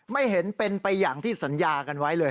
ไม่เห็นเป็นไปอย่างที่สัญญากันไว้เลย